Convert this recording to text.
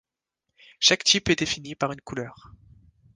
Chaque type est défini par une couleur.